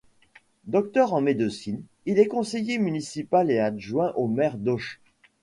Docteur en médecine, il est conseiller municipal et adjoint au maire d'Auch.